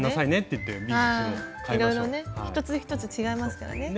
いろいろね一つ一つ違いますからね。